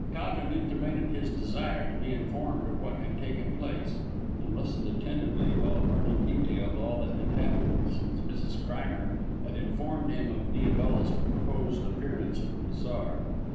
Towton intimated his desire to be informed of what had taken place, and listened attentively while Vernon detailed all that had happened since Mrs. Crimer had informed him of Diabella's proposed appearance at the bazaar.